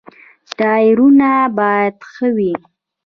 ټایرونه باید ښه وي.